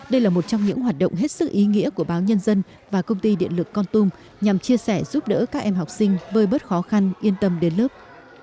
đây là một trong những hoạt động hết sức ý nghĩa của báo nhân dân và công ty điện lực con tum nhằm chia sẻ giúp đỡ các em học sinh vơi bớt khó khăn yên tâm đến lớp